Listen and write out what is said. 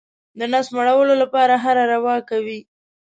د نس مړولو لپاره هره روا کوي.